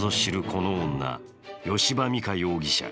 この女、吉羽美華容疑者。